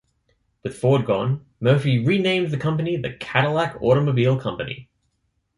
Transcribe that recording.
With Ford gone, Murphy renamed the company the Cadillac Automobile Company.